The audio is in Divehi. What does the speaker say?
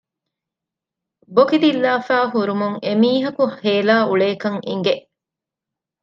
ބޮކި ދިއްލާފައި ހުރުމުން އެމީހަކު ހޭލާ އުޅޭކަން އިނގެ